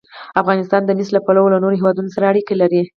افغانستان د مس له پلوه له نورو هېوادونو سره اړیکې لري.